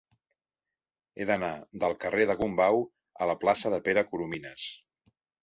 He d'anar del carrer de Gombau a la plaça de Pere Coromines.